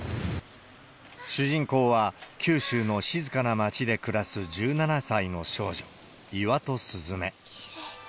主人公は、九州の静かな町で暮らす１７歳の少女、岩戸鈴芽。